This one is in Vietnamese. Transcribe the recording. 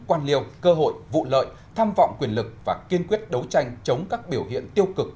quan liêu cơ hội vụ lợi tham vọng quyền lực và kiên quyết đấu tranh chống các biểu hiện tiêu cực